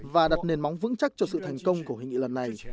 và đặt nền móng vững chắc cho sự thành công của hội nghị lần này